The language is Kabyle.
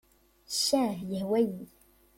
Ccah, yehwa-yi!